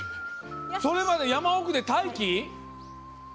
それまで山奥で待機？